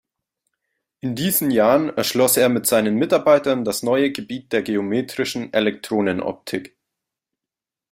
In diesen Jahren erschloss er mit seinen Mitarbeitern das neue Gebiet der geometrischen Elektronenoptik.